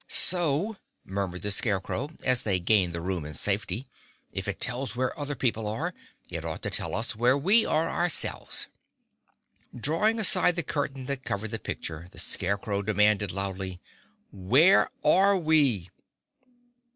"So," murmured the Scarecrow, as they gained the room in safety, "if it tells where other people are, it ought to tell us where we are ourselves." Drawing aside the curtain that covered the picture the Scarecrow demanded loudly, "Where are we?"